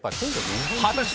果たして